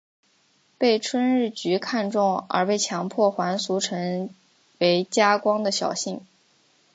被春日局看中而被强迫还俗成为家光的小姓。